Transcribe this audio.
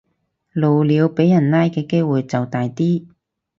露鳥俾人拉嘅機會就大啲